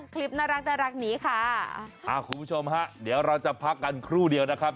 คุณผู้ชมเดี๋ยวเราจะพักกันครู่เดียวนะครับ